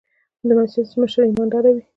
د مسجد مشر ايمانداره وي.